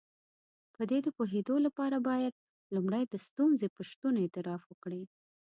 په دې د پوهېدو لپاره بايد لومړی د ستونزې په شتون اعتراف وکړئ.